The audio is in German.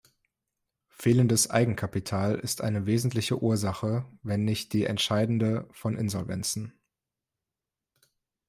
Fehlendes Eigenkapital ist eine wesentliche Ursache wenn nicht die entscheidende von Insolvenzen.